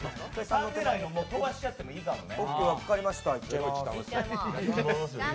３狙いの、飛ばしちゃってもいいかもね。